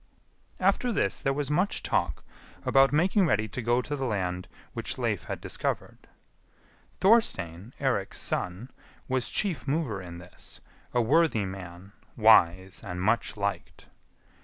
After this there was much talk about making ready to go to the land which Leif had discovered. Thorstein, Eirik's son, was chief mover in this, a worthy man, wise and much liked.